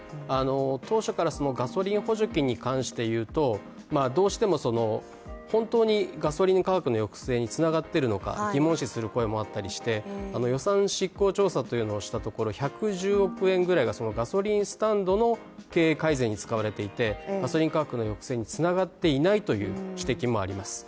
当初からガソリン補助金に関していうと、どうしても本当にガソリン価格の抑制につながっているのか疑問視する声もあったりして、予算執行調査ということをしたところ１１０億円ぐらいがガソリンスタンドの経営改善に使われていて、ガソリン価格の抑制につながっていないという指摘もあります。